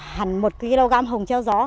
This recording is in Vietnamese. hẳn một kg hồng treo gió